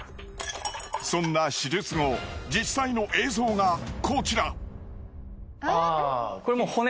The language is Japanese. そんな手術後実際の映像がこちら。